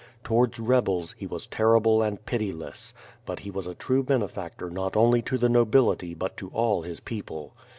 Towards rebels, he was terrible and pitiless, but was a true l)enofactor not only to the nobility l)ut to all his people.